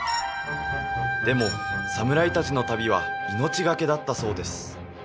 でも侍達の旅は命懸けだったそうです